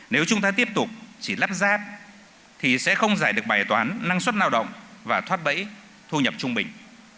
nếu chúng ta tiếp tục chỉ lắp ráp thì sẽ không giải được bài toán năng suất lao động và thoát bẫy thu nhập trung bình